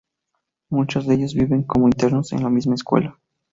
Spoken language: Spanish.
Muchos de ellos viven como internos en la misma escuela.